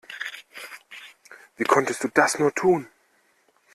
Wie konntest du das nur tun?